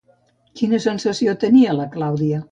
Quina sensació tenia la Clàudia?